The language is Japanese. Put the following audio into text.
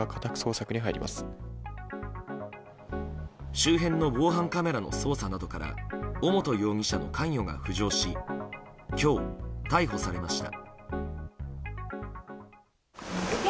周辺の防犯カメラの捜査などから尾本容疑者の関与が浮上し今日、逮捕されました。